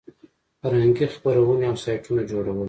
فرهنګي خپرونې او سایټونه جوړول.